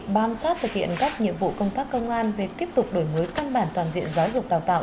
bám sát thực hiện các nhiệm vụ công tác công an về tiếp tục đổi mới căn bản toàn diện giáo dục đào tạo